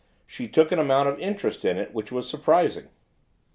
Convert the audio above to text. She took an amount of interest in it which was surprising.